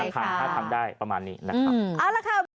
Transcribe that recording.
ใช่ค่ะได้ประมาณนี้นะครับเอาละครับ